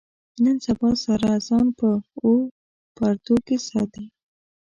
نن سبا ساره ځان په اوو پردو کې ساتي.